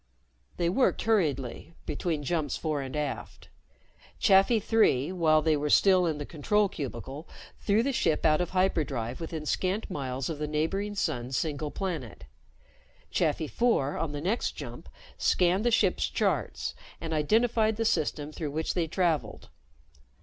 They worked hurriedly, between jumps fore and aft. Chafi Three, while they were still in the control cubicle, threw the ship out of hyperdrive within scant miles of the neighboring sun's single planet. Chafi Four, on the next jump, scanned the ship's charts and identified the system through which they traveled.